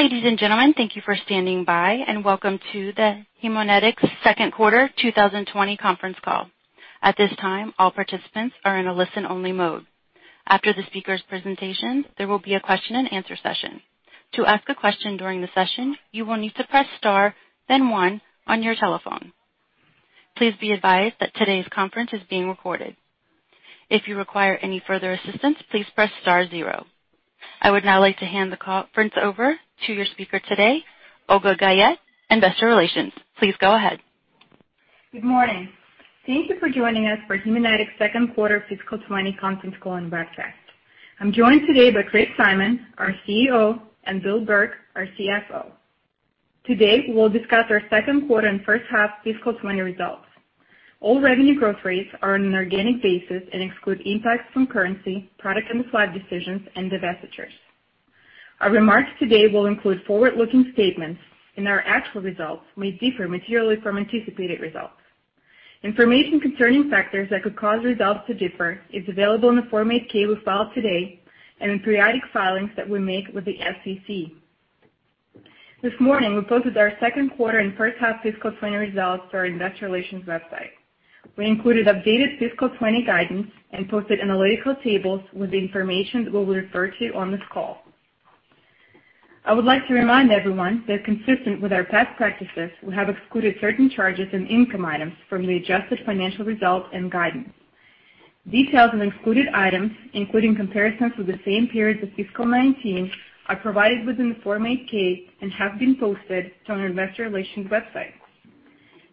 Ladies and gentlemen, thank you for standing by and welcome to the Haemonetics second quarter 2020 conference call. At this time, all participants are in a listen-only mode. After the speakers' presentations, there will be a question and answer session. To ask a question during the session, you will need to press star then one on your telephone. Please be advised that today's conference is being recorded. If you require any further assistance, please press star zero. I would now like to hand the conference over to your speaker today, Olga Guyette, investor relations. Please go ahead. Good morning. Thank you for joining us for Haemonetics' second quarter fiscal 2020 conference call and webcast. I'm joined today by Chris Simon, our CEO, and Bill Burke, our CFO. Today, we'll discuss our second quarter and first half fiscal 2020 results. All revenue growth rates are on an organic basis and exclude impacts from currency, product and supply decisions, and divestitures. Our remarks today will include forward-looking statements, and our actual results may differ materially from anticipated results. Information concerning factors that could cause results to differ is available in the Form 8-K we filed today and in periodic filings that we make with the SEC. This morning, we posted our second quarter and first half fiscal 2020 results to our investor relations website. We included updated fiscal 2020 guidance and posted analytical tables with the information that we'll refer to on this call. I would like to remind everyone that consistent with our past practices, we have excluded certain charges and income items from the adjusted financial results and guidance. Details on excluded items, including comparisons with the same periods of fiscal 2019, are provided within the Form 8-K and have been posted on our investor relations website.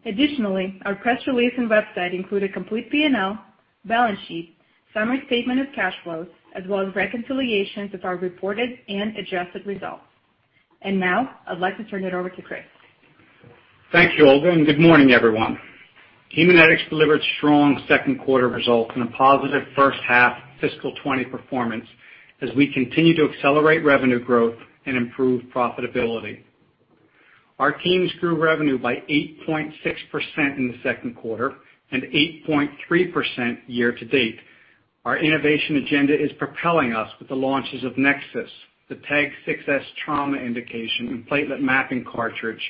Additionally, our press release and website include a complete P&L, balance sheet, summary statement of cash flows, as well as reconciliations of our reported and adjusted results. Now, I'd like to turn it over to Chris. Thank you, Olga. Good morning, everyone. Haemonetics delivered strong second quarter results and a positive first half fiscal 2020 performance as we continue to accelerate revenue growth and improve profitability. Our teams grew revenue by 8.6% in the second quarter and 8.3% year to date. Our innovation agenda is propelling us with the launches of NexSys, the TEG 6s trauma indication and platelet mapping cartridge,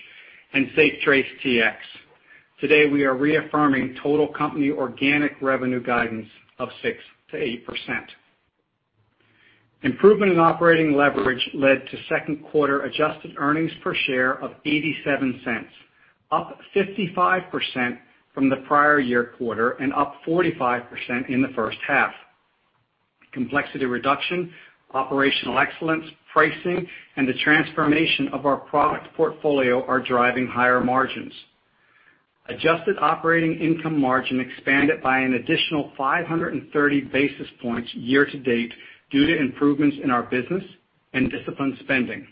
and SafeTrace Tx. Today, we are reaffirming total company organic revenue guidance of 6% to 8%. Improvement in operating leverage led to second quarter adjusted earnings per share of $0.87, up 55% from the prior year quarter and up 45% in the first half. Complexity reduction, operational excellence, pricing, and the transformation of our product portfolio are driving higher margins. Adjusted operating income margin expanded by an additional 530 basis points year to date due to improvements in our business and disciplined spending.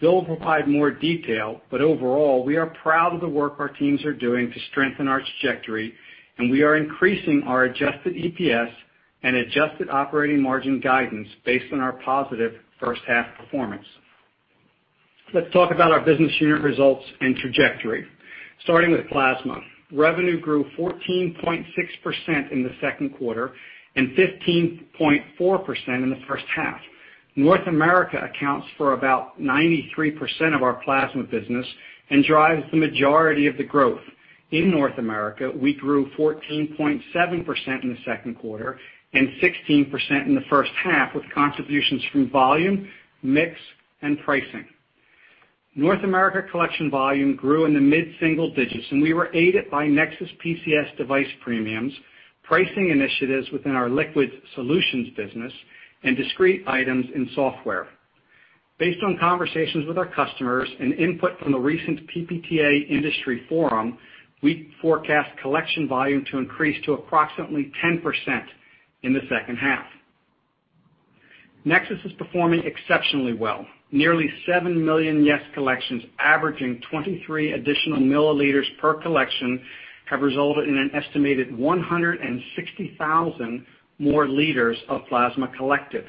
Bill will provide more detail. Overall, we are proud of the work our teams are doing to strengthen our trajectory, and we are increasing our adjusted EPS and adjusted operating margin guidance based on our positive first half performance. Let's talk about our business unit results and trajectory. Starting with plasma. Revenue grew 14.6% in the second quarter and 15.4% in the first half. North America accounts for about 93% of our plasma business and drives the majority of the growth. In North America, we grew 14.7% in the second quarter and 16% in the first half, with contributions from volume, mix, and pricing. North America collection volume grew in the mid-single digits, and we were aided by NexSys PCS device premiums, pricing initiatives within our liquid solutions business, and discrete items in software. Based on conversations with our customers and input from the recent PPTA Industry Forum, we forecast collection volume to increase to approximately 10% in the second half. NexSys is performing exceptionally well. Nearly 7 million YES collections averaging 23 additional milliliters per collection have resulted in an estimated 160,000 more liters of plasma collected.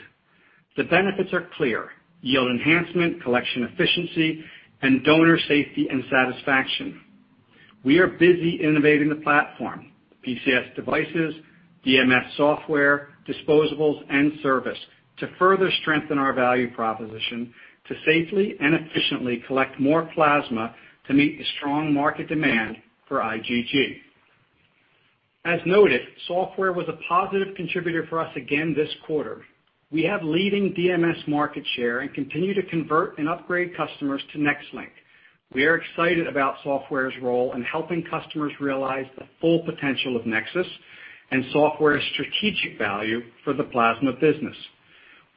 The benefits are clear. Yield enhancement, collection efficiency, and donor safety and satisfaction. We are busy innovating the platform, PCS devices, DMS software, disposables, and service to further strengthen our value proposition to safely and efficiently collect more plasma to meet the strong market demand for IgG. As noted, software was a positive contributor for us again this quarter. We have leading DMS market share and continue to convert and upgrade customers to NexLynk. We are excited about software's role in helping customers realize the full potential of NexSys and software's strategic value for the plasma business.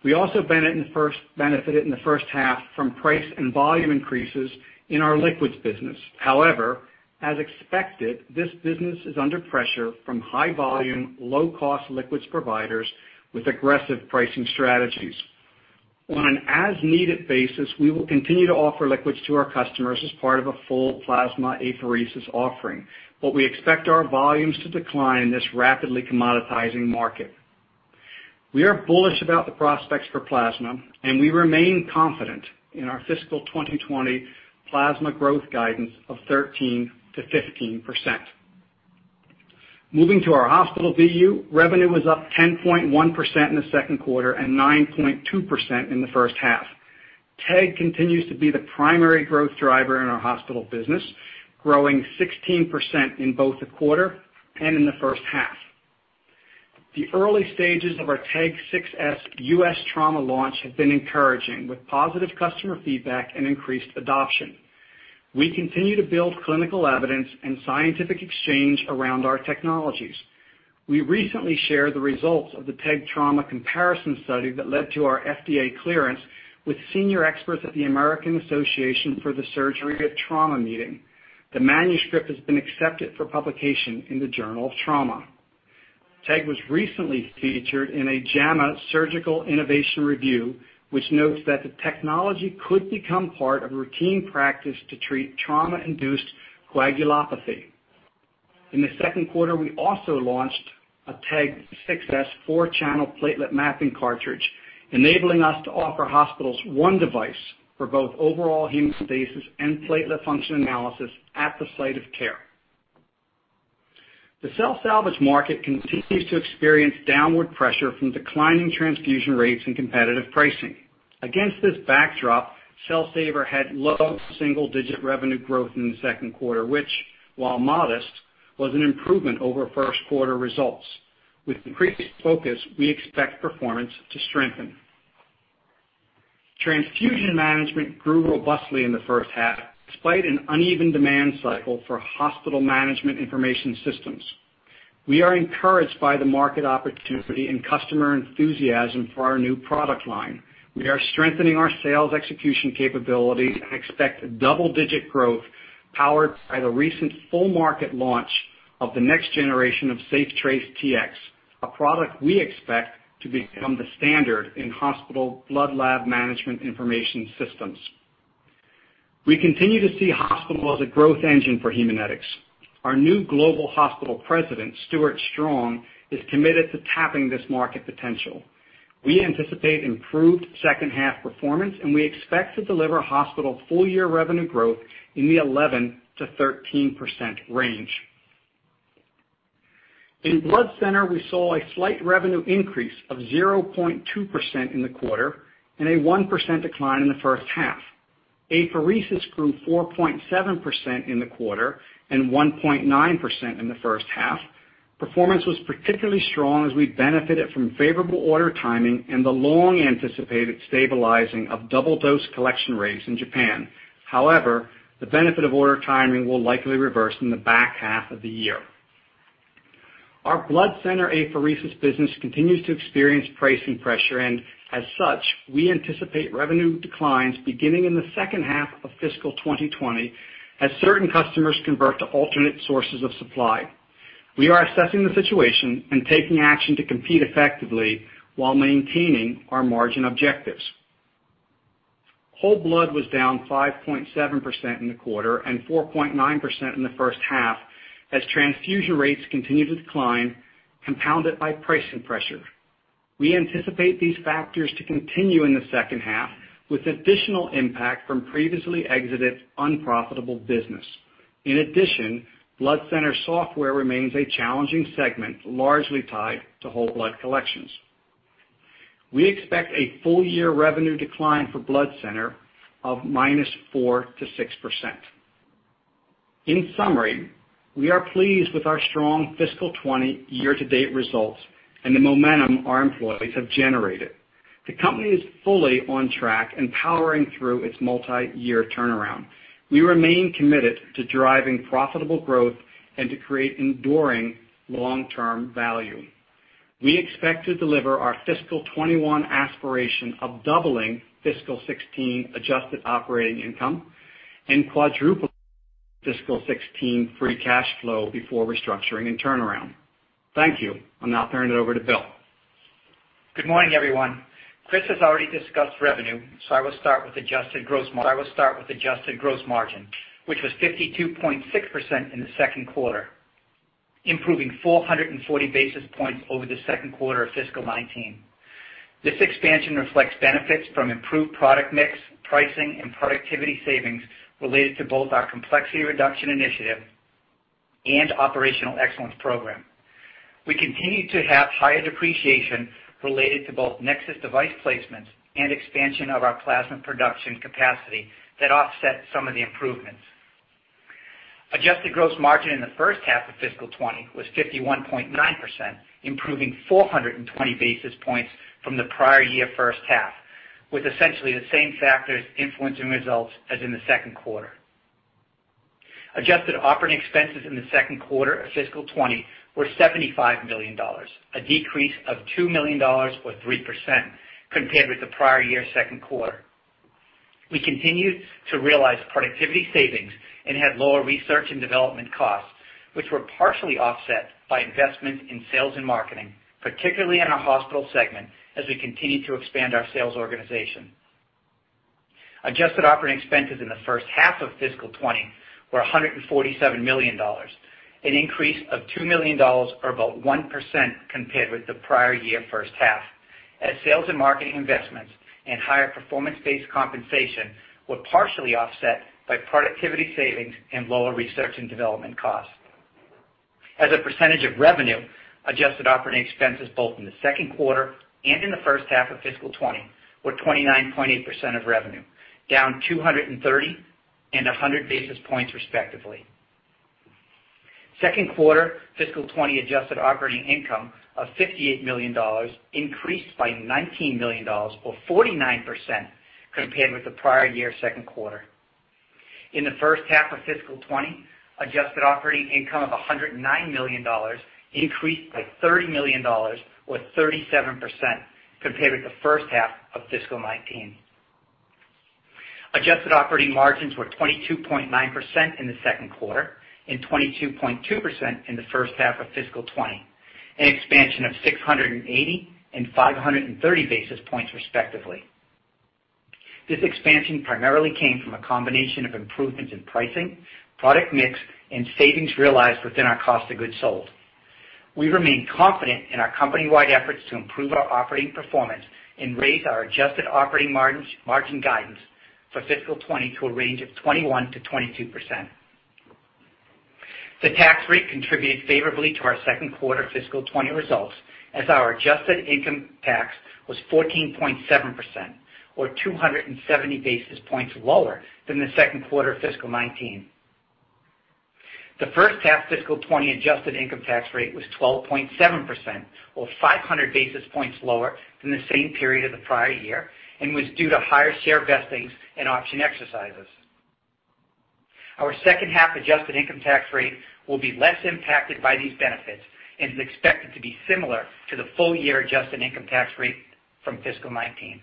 We also benefited in the first half from price and volume increases in our liquids business. However, as expected, this business is under pressure from high volume, low-cost liquids providers with aggressive pricing strategies. On an as-needed basis, we will continue to offer liquids to our customers as part of a full plasma apheresis offering, but we expect our volumes to decline in this rapidly commoditizing market. We are bullish about the prospects for plasma, and we remain confident in our fiscal 2020 plasma growth guidance of 13%-15%. Moving to our Hospital VU, revenue was up 10.1% in the second quarter and 9.2% in the first half. TEG continues to be the primary growth driver in our hospital business, growing 16% in both the quarter and in the first half. The early stages of our TEG 6s U.S. trauma launch have been encouraging, with positive customer feedback and increased adoption. We continue to build clinical evidence and scientific exchange around our technologies. We recently shared the results of the TEG trauma comparison study that led to our FDA clearance with senior experts at the American Association for the Surgery of Trauma meeting. The manuscript has been accepted for publication in the Journal of Trauma. TEG was recently featured in a JAMA Surgical Innovation Review, which notes that the technology could become part of routine practice to treat trauma-induced coagulopathy. In the second quarter, we also launched a TEG 6s four-channel platelet mapping cartridge, enabling us to offer hospitals one device for both overall hemostasis and platelet function analysis at the site of care. The cell salvage market continues to experience downward pressure from declining transfusion rates and competitive pricing. Against this backdrop, Cell Saver had low single-digit revenue growth in the second quarter, which, while modest, was an improvement over first-quarter results. With increased focus, we expect performance to strengthen. Transfusion management grew robustly in the first half, despite an uneven demand cycle for hospital management information systems. We are encouraged by the market opportunity and customer enthusiasm for our new product line. We are strengthening our sales execution capability and expect double-digit growth powered by the recent full market launch of the next generation of SafeTrace Tx, a product we expect to become the standard in hospital blood lab management information systems. We continue to see hospital as a growth engine for Haemonetics. Our new Global Hospital President, Stuart Strong, is committed to tapping this market potential. We anticipate improved second half performance, and we expect to deliver hospital full-year revenue growth in the 11%-13% range. In Blood Center, we saw a slight revenue increase of 0.2% in the quarter and a 1% decline in the first half. Apheresis grew 4.7% in the quarter and 1.9% in the first half. Performance was particularly strong as we benefited from favorable order timing and the long-anticipated stabilizing of double-dose collection rates in Japan. However, the benefit of order timing will likely reverse in the back half of the year. Our Blood Center apheresis business continues to experience pricing pressure, and as such, we anticipate revenue declines beginning in the second half of fiscal 2020 as certain customers convert to alternate sources of supply. We are assessing the situation and taking action to compete effectively while maintaining our margin objectives. Whole blood was down 5.7% in the quarter and 4.9% in the first half as transfusion rates continue to decline, compounded by pricing pressure. We anticipate these factors to continue in the second half, with additional impact from previously exited unprofitable business. In addition, Blood Center software remains a challenging segment, largely tied to whole blood collections. We expect a full-year revenue decline for Blood Center of -4% to -6%. In summary, we are pleased with our strong fiscal 2020 year-to-date results and the momentum our employees have generated. The company is fully on track and powering through its multi-year turnaround. We remain committed to driving profitable growth and to create enduring long-term value. We expect to deliver our fiscal 2021 aspiration of doubling fiscal 2016 adjusted operating income and quadrupling fiscal 2016 free cash flow before restructuring and turnaround. Thank you. I'll now turn it over to Bill. Good morning, everyone. Chris has already discussed revenue, so I will start with adjusted gross margin, which was 52.6% in the second quarter, improving 440 basis points over the second quarter of fiscal 2019. This expansion reflects benefits from improved product mix, pricing, and productivity savings related to both our Complexity Reduction Initiative and Operational Excellence Program. We continue to have higher depreciation related to both NexSys device placements and expansion of our plasma production capacity that offset some of the improvements. Adjusted gross margin in the first half of fiscal 2020 was 51.9%, improving 420 basis points from the prior year first half, with essentially the same factors influencing results as in the second quarter. Adjusted operating expenses in the second quarter of fiscal 2020 were $75 million, a decrease of $2 million or 3% compared with the prior year second quarter. We continued to realize productivity savings and had lower research and development costs, which were partially offset by investment in sales and marketing, particularly in our Global Hospital segment, as we continue to expand our sales organization. Adjusted operating expenses in the first half of fiscal 2020 were $147 million, an increase of $2 million or about 1% compared with the prior year first half. As sales and marketing investments and higher performance-based compensation were partially offset by productivity savings and lower research and development costs. As a percentage of revenue, adjusted operating expenses both in the second quarter and in the first half of fiscal 2020 were 29.8% of revenue, down 230 and 100 basis points respectively. Second quarter fiscal 2020 adjusted operating income of $58 million increased by $19 million or 49% compared with the prior year second quarter. In the first half of fiscal 2020, adjusted operating income of $109 million increased by $30 million or 37% compared with the first half of fiscal 2019. Adjusted operating margins were 22.9% in the second quarter and 22.2% in the first half of fiscal 2020, an expansion of 680 and 530 basis points respectively. This expansion primarily came from a combination of improvements in pricing, product mix, and savings realized within our cost of goods sold. We remain confident in our company-wide efforts to improve our operating performance and raise our adjusted operating margin guidance for fiscal 2020 to a range of 21%-22%. The tax rate contributed favorably to our second quarter fiscal 2020 results as our adjusted income tax was 14.7%, or 270 basis points lower than the second quarter of fiscal 2019. The first half fiscal 2020 adjusted income tax rate was 12.7%, or 500 basis points lower than the same period of the prior year and was due to higher share vestings and option exercises. Our second half adjusted income tax rate will be less impacted by these benefits and is expected to be similar to the full year adjusted income tax rate from fiscal 2019.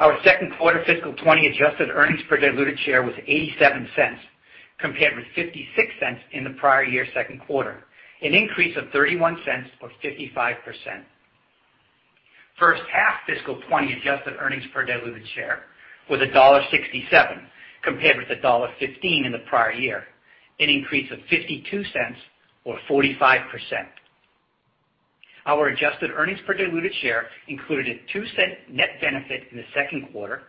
Our second quarter fiscal 2020 adjusted earnings per diluted share was $0.87 compared with $0.56 in the prior year second quarter, an increase of $0.31 or 55%. First half fiscal 2020 adjusted earnings per diluted share was $1.67 compared with $1.15 in the prior year, an increase of $0.52 or 45%. Our adjusted earnings per diluted share included a $0.02 net benefit in the second quarter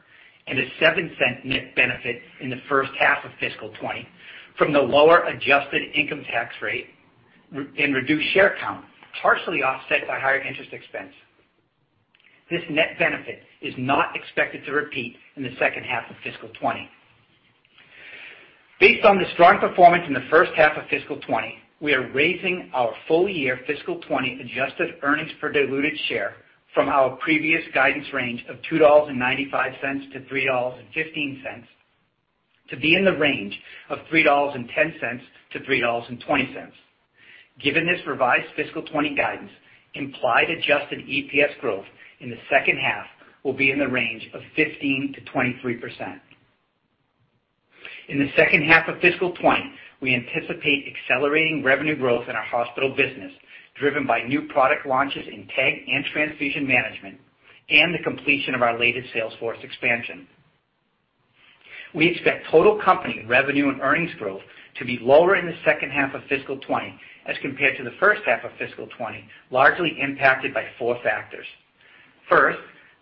and a $0.07 net benefit in the first half of fiscal 2020 from the lower adjusted income tax rate and reduced share count, partially offset by higher interest expense. This net benefit is not expected to repeat in the second half of fiscal 2020. Based on the strong performance in the first half of fiscal 2020, we are raising our full year fiscal 2020 adjusted earnings per diluted share from our previous guidance range of $2.95-$3.15 to be in the range of $3.10-$3.20. Given this revised fiscal 2020 guidance, implied adjusted EPS growth in the second half will be in the range of 15%-23%. In the second half of fiscal 2020, we anticipate accelerating revenue growth in our hospital business, driven by new product launches in TEG and transfusion management and the completion of our latest salesforce expansion. We expect total company revenue and earnings growth to be lower in the second half of fiscal 2020 as compared to the first half of fiscal 2020, largely impacted by four factors. First,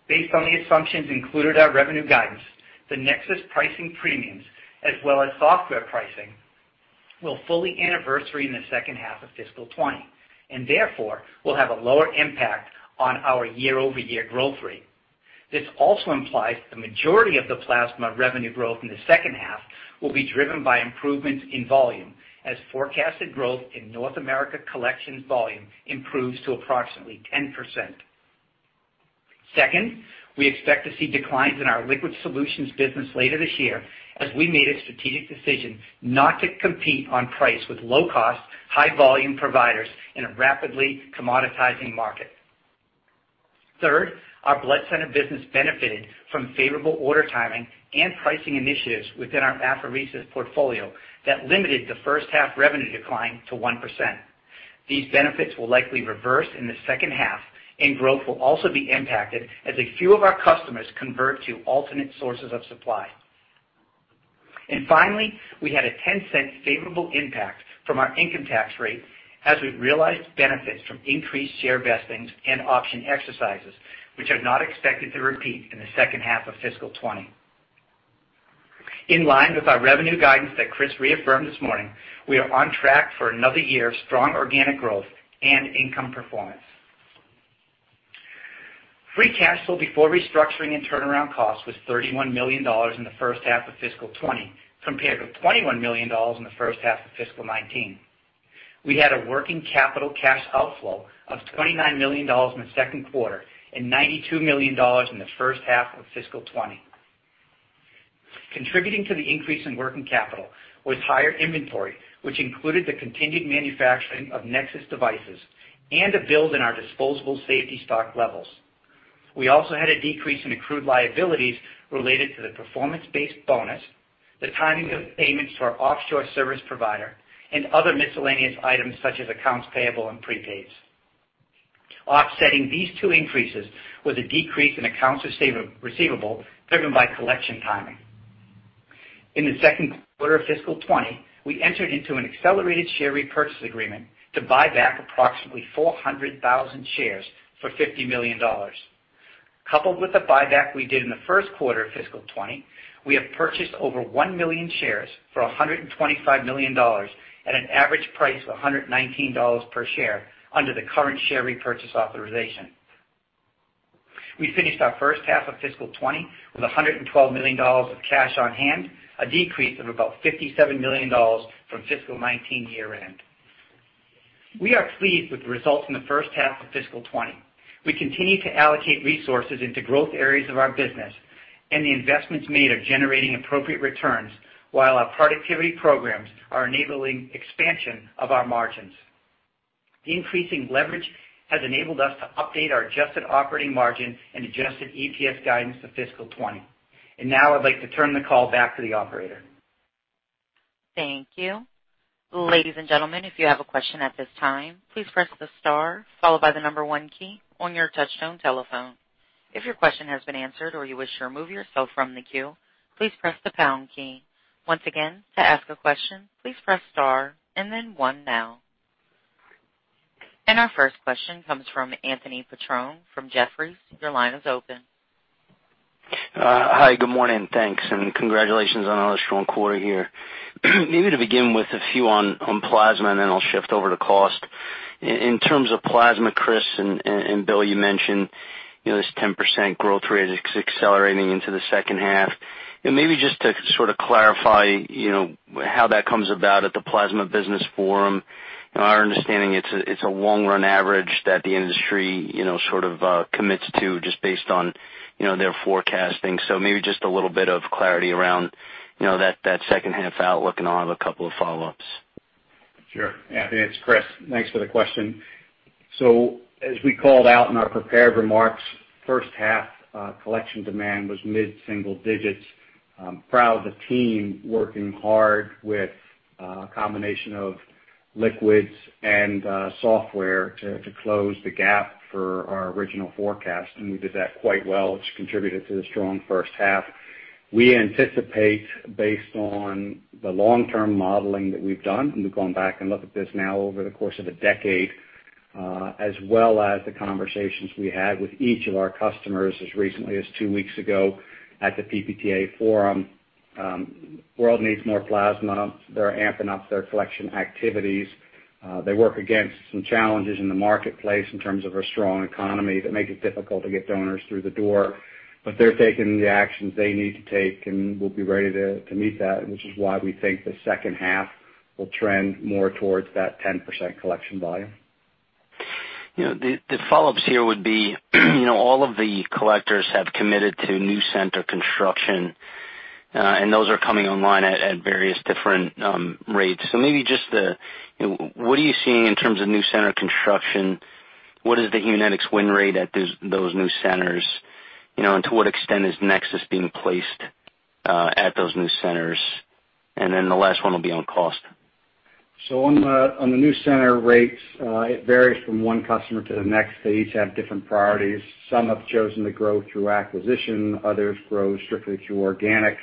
based on the assumptions included our revenue guidance, the NexSys pricing premiums as well as software pricing will fully anniversary in the second half of fiscal 2020 and therefore will have a lower impact on our year-over-year growth rate. This also implies that the majority of the plasma revenue growth in the second half will be driven by improvements in volume as forecasted growth in North America collections volume improves to approximately 10%. Second, we expect to see declines in our liquid solutions business later this year as we made a strategic decision not to compete on price with low-cost, high-volume providers in a rapidly commoditizing market. Third, our blood center business benefited from favorable order timing and pricing initiatives within our apheresis portfolio that limited the first half revenue decline to 1%. These benefits will likely reverse in the second half, and growth will also be impacted as a few of our customers convert to alternate sources of supply. Finally, we had a $0.10 favorable impact from our income tax rate as we realized benefits from increased share vestings and option exercises, which are not expected to repeat in the second half of fiscal 2020. In line with our revenue guidance that Chris reaffirmed this morning, we are on track for another year of strong organic growth and income performance. Free cash flow before restructuring and turnaround costs was $31 million in the first half of fiscal 2020 compared with $21 million in the first half of fiscal 2019. We had a working capital cash outflow of $29 million in the second quarter and $92 million in the first half of fiscal 2020. Contributing to the increase in working capital was higher inventory, which included the continued manufacturing of NexSys devices and a build in our disposable safety stock levels. We also had a decrease in accrued liabilities related to the performance-based bonus, the timing of payments to our offshore service provider, and other miscellaneous items such as accounts payable and prepaids. Offsetting these two increases was a decrease in accounts receivable driven by collection timing. In the second quarter of fiscal 2020, we entered into an accelerated share repurchase agreement to buy back approximately 400,000 shares for $50 million. Coupled with the buyback we did in the first quarter of fiscal 2020, we have purchased over 1 million shares for $125 million at an average price of $119 per share under the current share repurchase authorization. We finished our first half of fiscal 2020 with $112 million of cash on hand, a decrease of about $57 million from fiscal 2019 year-end. We are pleased with the results in the first half of fiscal 2020. We continue to allocate resources into growth areas of our business, and the investments made are generating appropriate returns, while our productivity programs are enabling expansion of our margins. Increasing leverage has enabled us to update our adjusted operating margin and adjusted EPS guidance to fiscal 2020. Now I'd like to turn the call back to the operator. Thank you. Ladies and gentlemen, if you have a question at this time, please press the star followed by the number one key on your touchtone telephone. If your question has been answered or you wish to remove yourself from the queue, please press the pound key. Once again, to ask a question, please press star and then one now. Our first question comes from Anthony Petrone from Jefferies. Your line is open. Hi, good morning, thanks, and congratulations on another strong quarter here. Maybe to begin with a few on plasma, and then I'll shift over to cost. In terms of plasma, Chris and Bill, you mentioned this 10% growth rate is accelerating into the second half. Maybe just to sort of clarify how that comes about at the Plasma Protein Forum. In our understanding, it's a long-run average that the industry sort of commits to just based on their forecasting. Maybe just a little bit of clarity around that second half outlook, and I'll have a couple of follow-ups. Sure. Anthony, it's Chris. Thanks for the question. As we called out in our prepared remarks, first half collection demand was mid-single digits. Proud of the team working hard with a combination of liquids and software to close the gap for our original forecast, and we did that quite well, which contributed to the strong first half. We anticipate, based on the long-term modeling that we've done, and we've gone back and looked at this now over the course of a decade, as well as the conversations we had with each of our customers as recently as two weeks ago at the PPTA forum, the world needs more plasma. They're amping up their collection activities. They work against some challenges in the marketplace in terms of a strong economy that make it difficult to get donors through the door. They're taking the actions they need to take, and we'll be ready to meet that, which is why we think the second half will trend more towards that 10% collection volume. The follow-ups here would be, all of the collectors have committed to new center construction, and those are coming online at various different rates. Maybe just what are you seeing in terms of new center construction? What is the Haemonetics win rate at those new centers? To what extent is NexSys being placed at those new centers? Then the last one will be on cost. On the new center rates, it varies from one customer to the next. They each have different priorities. Some have chosen to grow through acquisition, others grow strictly through organic,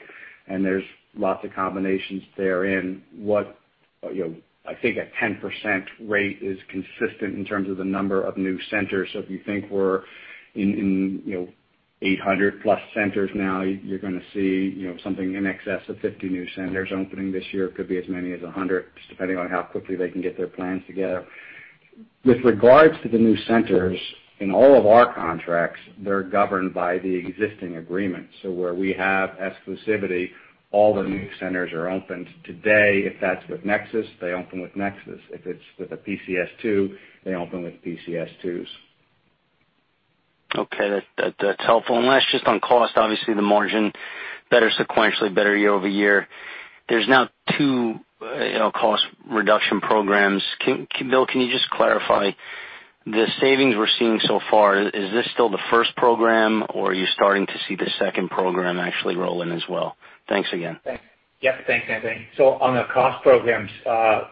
and there's lots of combinations therein. I think a 10% rate is consistent in terms of the number of new centers. If you think we're in 800-plus centers now, you're going to see something in excess of 50 new centers opening this year. Could be as many as 100, just depending on how quickly they can get their plans together. With regards to the new centers, in all of our contracts, they're governed by the existing agreement. Where we have exclusivity, all the new centers are opened today. If that's with NexSys, they open with NexSys. If it's with a PCS2, they open with PCS2s. Okay. That's helpful. Last, just on cost, obviously the margin better sequentially, better year-over-year. There's now two cost reduction programs. Bill, can you just clarify, the savings we're seeing so far, is this still the first program, or are you starting to see the second program actually roll in as well? Thanks again. Thanks, Anthony. On the cost programs,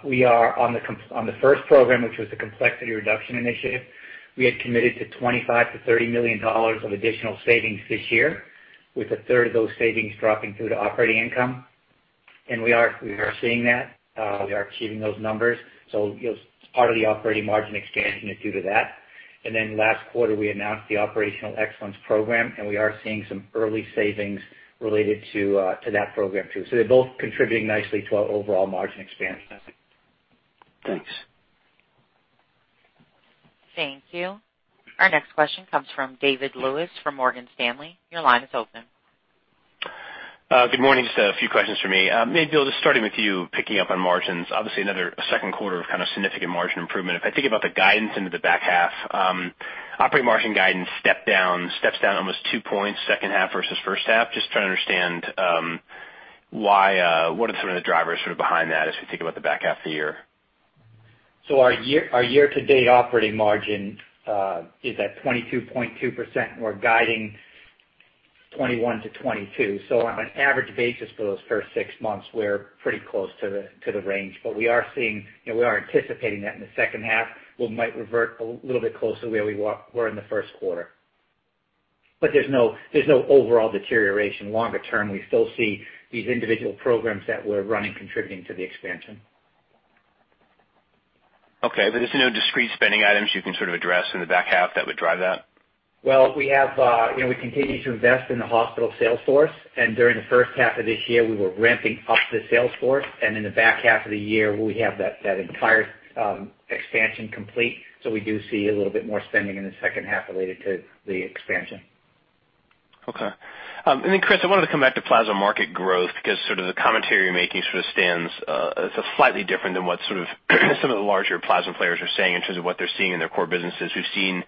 we are on the first program, which was the Complexity Reduction Initiative. We had committed to $25 million-$30 million of additional savings this year, with a third of those savings dropping through to operating income. We are seeing that. We are achieving those numbers. Part of the operating margin expansion is due to that. Last quarter, we announced the Operational Excellence Program, we are seeing some early savings related to that program, too. They're both contributing nicely to our overall margin expansion. Thanks. Thank you. Our next question comes from David Lewis from Morgan Stanley. Your line is open. Good morning. Just a few questions for me. Maybe, Bill, just starting with you, picking up on margins. Obviously, another second quarter of kind of significant margin improvement. If I think about the guidance into the back half, operating margin guidance steps down almost two points second half versus first half. Just trying to understand what are some of the drivers sort of behind that as we think about the back half of the year? Our year-to-date operating margin is at 22.2%, and we're guiding 21%-22%. On an average basis for those first six months, we're pretty close to the range. We are anticipating that in the second half, we might revert a little bit closer to where we were in the first quarter. There's no overall deterioration longer term. We still see these individual programs that we're running contributing to the expansion. Okay. There's no discrete spending items you can address in the back half that would drive that? Well, we continue to invest in the hospital sales force, and during the first half of this year, we were ramping up the sales force. In the back half of the year, we have that entire expansion complete. We do see a little bit more spending in the second half related to the expansion. Okay. Chris, I wanted to come back to plasma market growth because the commentary you're making stands as slightly different than what some of the larger plasma players are saying in terms of what they're seeing in their core businesses. We've seen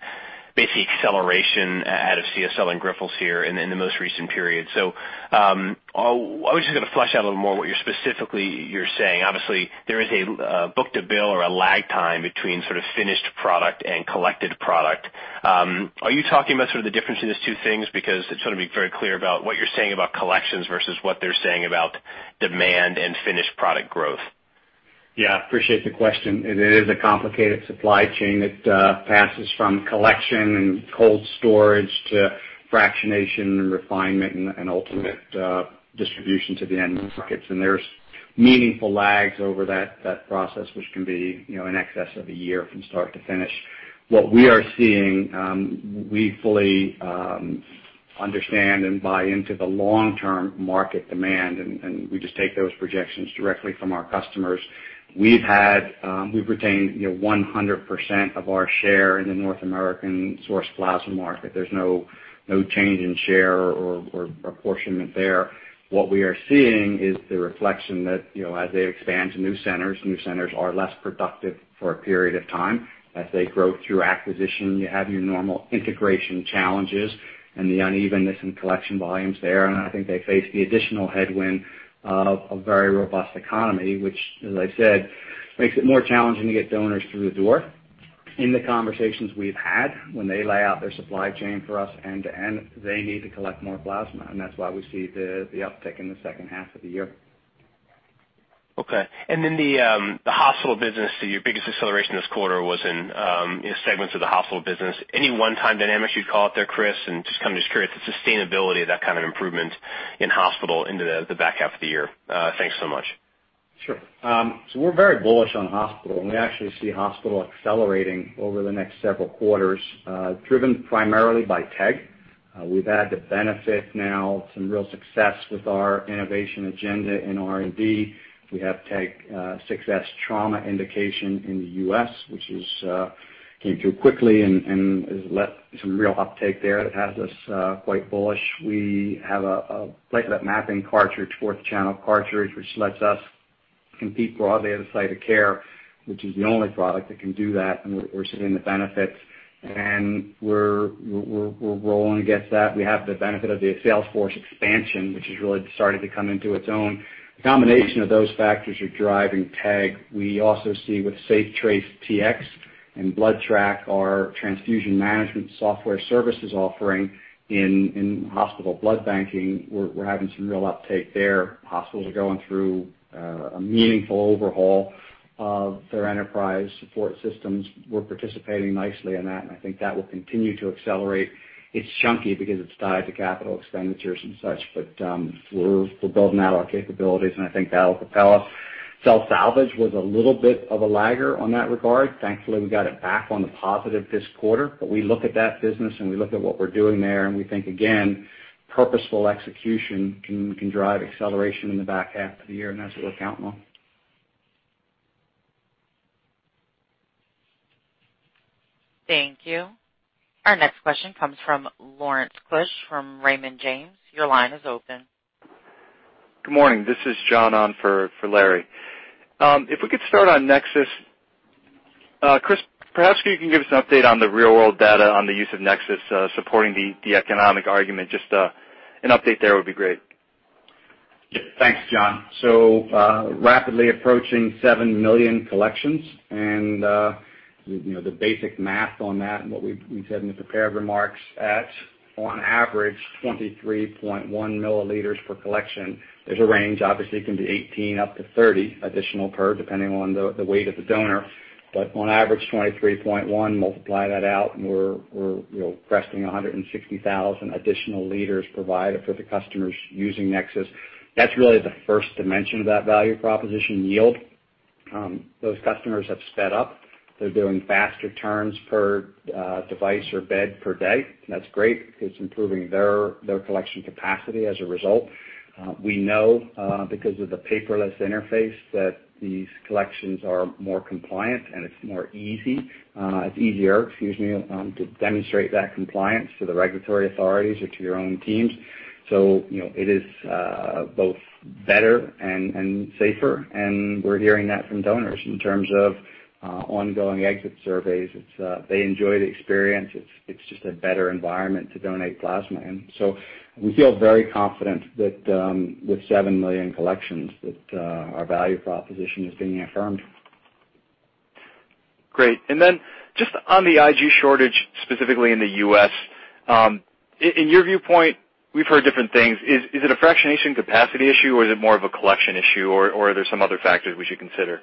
basic acceleration out of CSL and Grifols here in the most recent period. I was just going to flesh out a little more what you're specifically saying. Obviously, there is a book to bill or a lag time between finished product and collected product. Are you talking about the difference in those two things? Because I just want to be very clear about what you're saying about collections versus what they're saying about demand and finished product growth. Yeah. Appreciate the question. It is a complicated supply chain that passes from collection and cold storage to fractionation and refinement and ultimate distribution to the end markets. There's meaningful lags over that process, which can be in excess of a year from start to finish. What we are seeing, we fully understand and buy into the long-term market demand, and we just take those projections directly from our customers. We've retained 100% of our share in the North American source plasma market. There's no change in share or apportionment there. What we are seeing is the reflection that as they expand to new centers, new centers are less productive for a period of time. As they grow through acquisition, you have your normal integration challenges and the unevenness in collection volumes there. I think they face the additional headwind of a very robust economy, which, as I said, makes it more challenging to get donors through the door. In the conversations we've had, when they lay out their supply chain for us end to end, they need to collect more plasma, and that's why we see the uptick in the second half of the year. Okay. The hospital business, your biggest acceleration this quarter was in segments of the hospital business. Any one-time dynamics you'd call out there, Chris? Just curious, the sustainability of that kind of improvement in hospital into the back half of the year? Thanks so much. We're very bullish on Hospital, and we actually see Hospital accelerating over the next several quarters, driven primarily by TEG. We've had the benefit now of some real success with our innovation agenda in R&D. We have TEG's success trauma indication in the U.S., which came through quickly and has led to some real uptake there that has us quite bullish. We have a platelet mapping cartridge, fourth channel cartridge, which lets us compete broadly at a site of care, which is the only product that can do that, and we're seeing the benefits. We're rolling against that. We have the benefit of the sales force expansion, which has really started to come into its own. The combination of those factors are driving TEG. We also see with SafeTrace Tx and BloodTrack, our transfusion management software services offering in hospital blood banking, we're having some real uptake there. Hospitals are going through a meaningful overhaul of their enterprise support systems. We're participating nicely in that, and I think that will continue to accelerate. It's chunky because it's tied to capital expenditures and such, but we're building out our capabilities, and I think that'll propel us. Cell salvage was a little bit of a lagger on that regard. Thankfully, we got it back on the positive this quarter. We look at that business and we look at what we're doing there, and we think, again, purposeful execution can drive acceleration in the back half of the year, and that's what we're counting on. Thank you. Our next question comes from Lawrence Keusch from Raymond James. Your line is open. Good morning. This is John on for Larry. We could start on NexSys. Chris, perhaps you can give us an update on the real-world data on the use of NexSys supporting the economic argument. Just an update there would be great. Yeah. Thanks, John. Rapidly approaching 7 million collections and the basic math on that and what we've said in the prepared remarks, at on average 23.1 milliliters per collection. There's a range, obviously, it can be 18 up to 30 additional per, depending on the weight of the donor. On average, 23.1, multiply that out, and we're cresting 160,000 additional liters provided for the customers using NexSys. That's really the first dimension of that value proposition yield. Those customers have sped up. They're doing faster turns per device or bed per day. That's great. It's improving their collection capacity as a result. We know, because of the paperless interface, that these collections are more compliant and it's easier, excuse me, to demonstrate that compliance to the regulatory authorities or to your own teams. It is both better and safer, and we're hearing that from donors in terms of ongoing exit surveys. They enjoy the experience. It's just a better environment to donate plasma in. We feel very confident that with 7 million collections, that our value proposition is being affirmed. Great. Then just on the IG shortage, specifically in the U.S. In your viewpoint, we've heard different things. Is it a fractionation capacity issue, or is it more of a collection issue, or are there some other factors we should consider?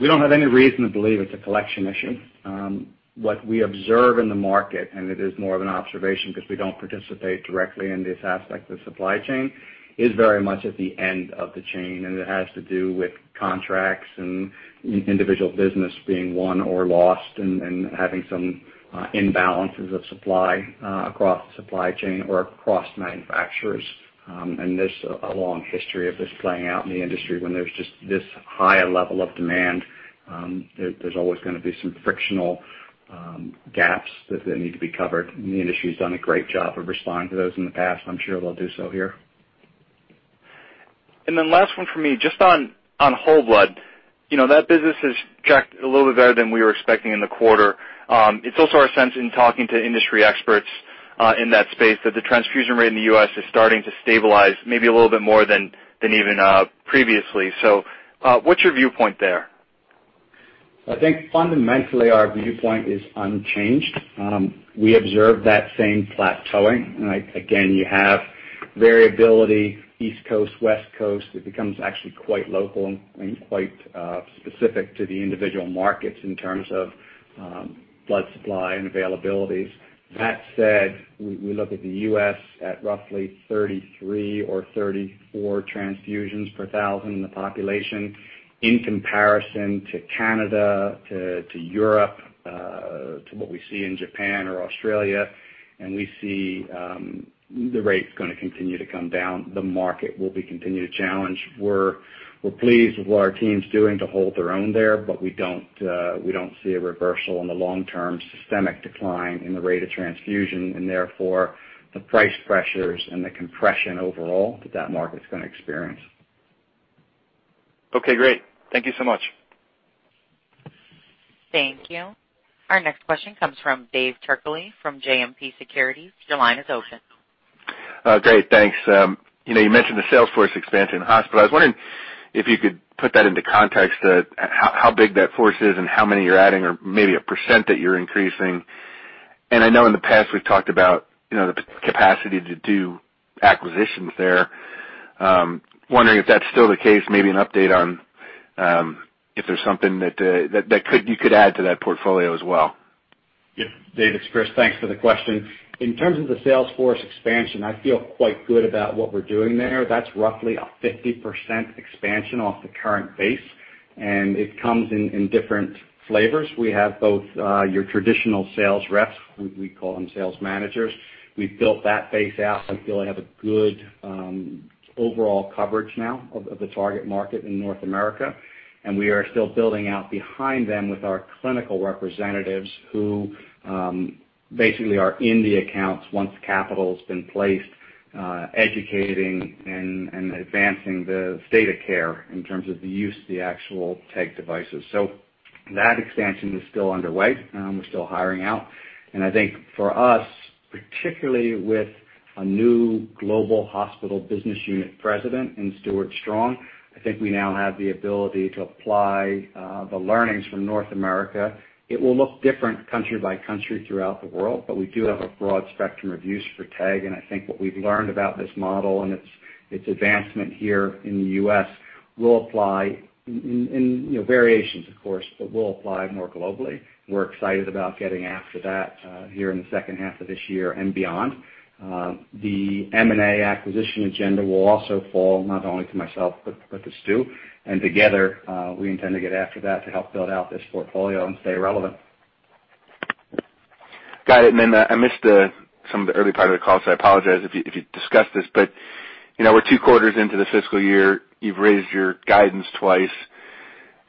We don't have any reason to believe it's a collection issue. What we observe in the market, and it is more of an observation because we don't participate directly in this aspect of the supply chain, is very much at the end of the chain, and it has to do with contracts and individual business being won or lost and having some imbalances of supply across the supply chain or across manufacturers. There's a long history of this playing out in the industry. When there's just this high level of demand, there's always going to be some frictional gaps that need to be covered. The industry has done a great job of responding to those in the past. I'm sure they'll do so here. Then last one for me, just on whole blood. That business has tracked a little bit better than we were expecting in the quarter. It's also our sense in talking to industry experts in that space that the transfusion rate in the U.S. is starting to stabilize maybe a little bit more than even previously. What's your viewpoint there? I think fundamentally our viewpoint is unchanged. We observe that same plateauing. Again, you have variability, East Coast, West Coast. It becomes actually quite local and quite specific to the individual markets in terms of blood supply and availabilities. That said, we look at the U.S. at roughly 33 or 34 transfusions per 1,000 in the population in comparison to Canada, to Europe, to what we see in Japan or Australia, and we see the rate's going to continue to come down. The market will be continued to challenge. We're pleased with what our team's doing to hold their own there, but we don't see a reversal in the long-term systemic decline in the rate of transfusion, and therefore the price pressures and the compression overall that that market's going to experience. Okay, great. Thank you so much. Thank you. Our next question comes from David Turkaly from JMP Securities. Your line is open. Great. Thanks. You mentioned the sales force expansion in the hospital. I was wondering if you could put that into context, how big that force is and how many you're adding or maybe a % that you're increasing. I know in the past we've talked about the capacity to do acquisitions there. Wondering if that's still the case, maybe an update on if there's something that you could add to that portfolio as well. Yes, Dave, it's Chris. Thanks for the question. In terms of the sales force expansion, I feel quite good about what we're doing there. That's roughly a 50% expansion off the current base, and it comes in different flavors. We have both your traditional sales reps, we call them sales managers. We've built that base out. I feel I have a good overall coverage now of the target market in North America, and we are still building out behind them with our clinical representatives, who basically are in the accounts once capital's been placed, educating and advancing the state of care in terms of the use of the actual TEG devices. That expansion is still underway. We're still hiring out. I think for us, particularly with a new global hospital business unit president in Stuart Strong, I think we now have the ability to apply the learnings from North America. It will look different country by country throughout the world, but we do have a broad spectrum of use for TEG. I think what we've learned about this model and its advancement here in the U.S. will apply in variations, of course, but will apply more globally. We're excited about getting after that here in the second half of this year and beyond. The M&A acquisition agenda will also fall not only to myself, but to Stu. Together, we intend to get after that to help build out this portfolio and stay relevant. Got it. I missed some of the early part of the call, so I apologize if you discussed this, but we're two quarters into the fiscal year. You've raised your guidance twice,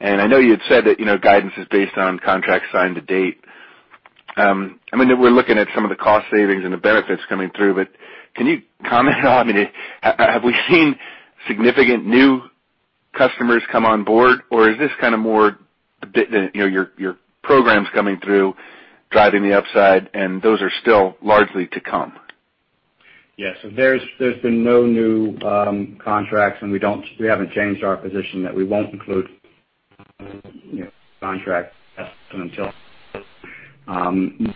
and I know you had said that guidance is based on contracts signed to date. I mean, we're looking at some of the cost savings and the benefits coming through, but can you comment on, have we seen significant new customers come on board, or is this kind of more your programs coming through driving the upside and those are still largely to come? Yes. There's been no new contracts, and we haven't changed our position that we won't include contract. We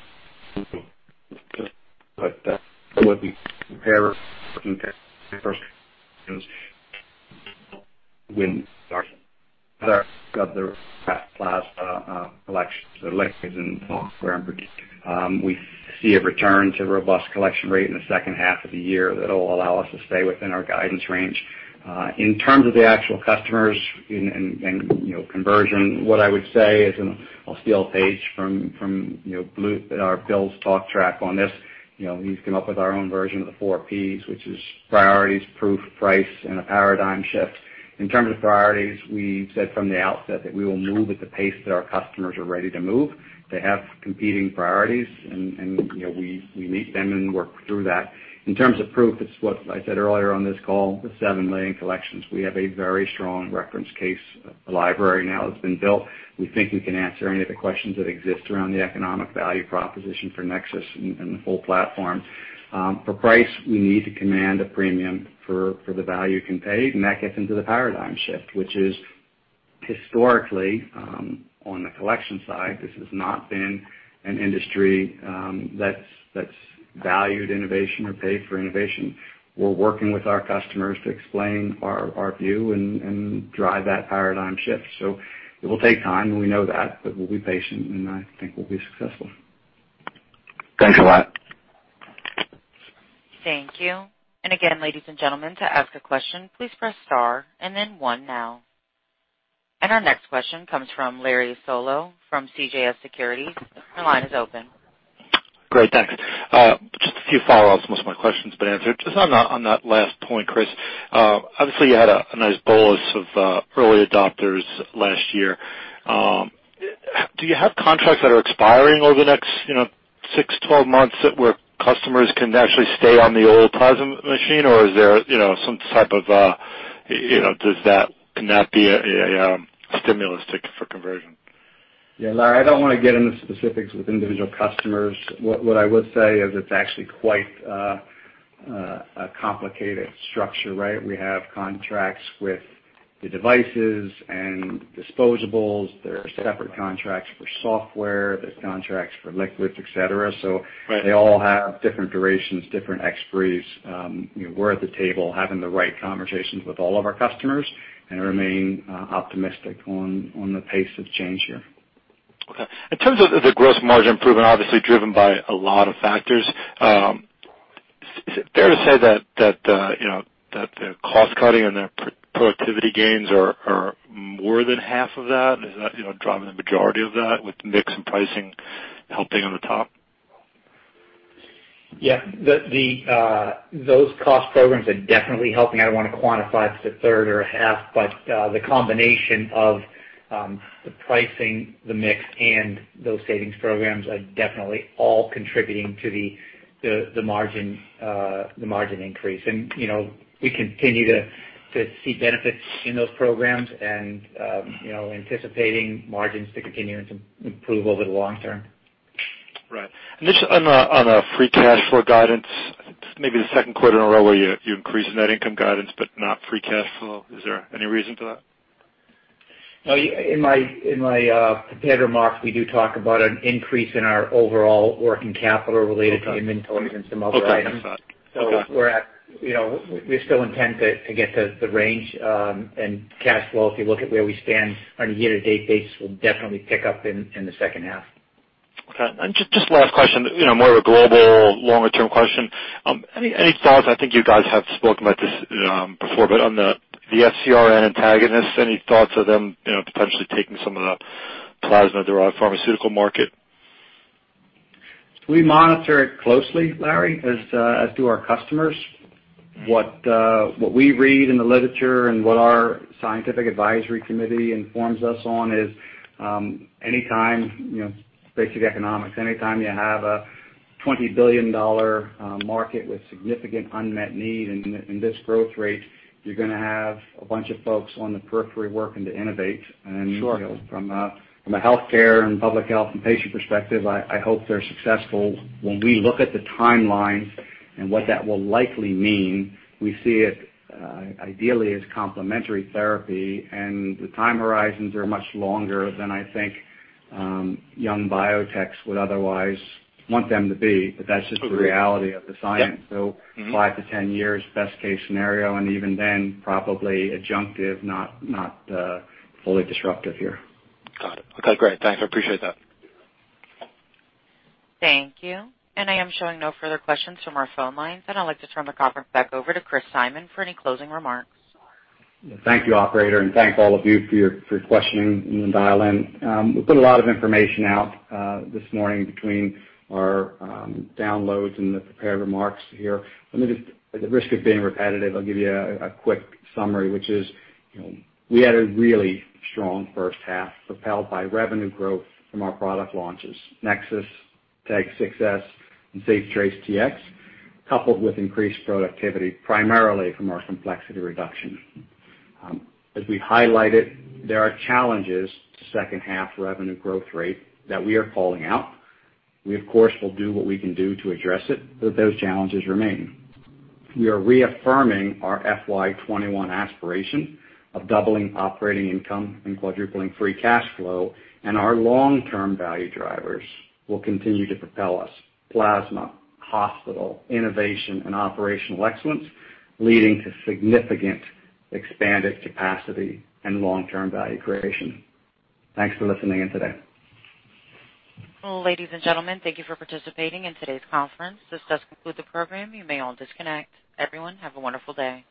see a return to robust collection rate in the second half of the year that'll allow us to stay within our guidance range. In terms of the actual customers and conversion, what I would say is, I'll steal a page from Bill's talk track on this. He's come up with our own version of the four Ps, which is priorities, proof, price, and a paradigm shift. In terms of priorities, we've said from the outset that we will move at the pace that our customers are ready to move. They have competing priorities, and we meet them and work through that. In terms of proof, it's what I said earlier on this call, the seven million collections. We have a very strong reference case library now that's been built. We think we can answer any of the questions that exist around the economic value proposition for NexSys and the full platform. For price, we need to command a premium for the value conveyed, and that gets into the paradigm shift, which is historically, on the collection side, this has not been an industry that's valued innovation or paid for innovation. We're working with our customers to explain our view and drive that paradigm shift. It will take time, and we know that, but we'll be patient, and I think we'll be successful. Thanks a lot. Thank you. Again, ladies and gentlemen, to ask a question, please press star and then one now. Our next question comes from Larry Solow from CJS Securities. Your line is open. Great, thanks. Just a few follow-ups. Most of my questions have been answered. Just on that last point, Chris, obviously you had a nice bolus of early adopters last year. Do you have contracts that are expiring over the next six to 12 months where customers can actually stay on the old plasma machine or can that be a stimulus for conversion? Yeah, Larry, I don't want to get into specifics with individual customers. What I would say is it's actually quite a complicated structure, right? We have contracts with the devices and disposables. There are separate contracts for software. There's contracts for liquids, et cetera. Right. They all have different durations, different expiries. We're at the table having the right conversations with all of our customers and remain optimistic on the pace of change here. Okay. In terms of the gross margin improvement, obviously driven by a lot of factors, is it fair to say that the cost-cutting and the productivity gains are more than half of that? Is that driving the majority of that with mix and pricing helping on the top? Yeah. Those cost programs are definitely helping. I don't want to quantify if it's a third or a half, but the combination of the pricing, the mix, and those savings programs are definitely all contributing to the margin increase. We continue to see benefits in those programs and anticipating margins to continue to improve over the long term. Right. Just on a free cash flow guidance, maybe the second quarter in a row where you increase net income guidance but not free cash flow. Is there any reason for that? In my prepared remarks, we do talk about an increase in our overall working capital related to inventory and some other items. Okay. I'm sorry. We still intend to get to the range. Cash flow, if you look at where we stand on a year-to-date basis, will definitely pick up in the second half. Okay. Just last question, more of a global longer-term question. Any thoughts, I think you guys have spoken about this before, but on the FcRn antagonist, any thoughts of them potentially taking some of the plasma-derived pharmaceutical market? We monitor it closely, Larry, as do our customers. What we read in the literature and what our scientific advisory committee informs us on is, basic economics, any time you have a $20 billion market with significant unmet need and this growth rate, you're going to have a bunch of folks on the periphery working to innovate. Sure. From a healthcare and public health and patient perspective, I hope they're successful. When we look at the timeline and what that will likely mean, we see it ideally as complementary therapy and the time horizons are much longer than I think young biotechs would otherwise want them to be, but that's just the reality of the science. Yep. Five-10 years, best case scenario, and even then, probably adjunctive, not fully disruptive here. Got it. Okay, great. Thanks. I appreciate that. Thank you. I am showing no further questions from our phone lines, and I'd like to turn the conference back over to Christopher Simon for any closing remarks. Thank you, operator, and thank all of you for your questioning and dial-in. We put a lot of information out this morning between our downloads and the prepared remarks here. Let me just, at the risk of being repetitive, I'll give you a quick summary, which is we had a really strong first half propelled by revenue growth from our product launches, NexSys, TEG 6s, and SafeTrace Tx, coupled with increased productivity primarily from our complexity reduction. As we highlighted, there are challenges to second half revenue growth rate that we are calling out. We of course will do what we can do to address it, but those challenges remain. We are reaffirming our FY 2021 aspiration of doubling operating income and quadrupling free cash flow, and our long-term value drivers will continue to propel us, plasma, hospital, innovation, and operational excellence leading to significant expanded capacity and long-term value creation. Thanks for listening in today. Ladies and gentlemen, thank you for participating in today's conference. This does conclude the program. You may all disconnect. Everyone, have a wonderful day.